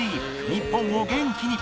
日本を元気に！